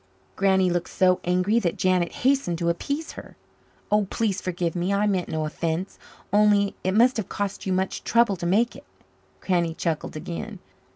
Granny looked so angry that Janet hastened to appease her. "Oh, please forgive me I meant no offence. Only it must have cost you much trouble to make it." Granny chuckled again.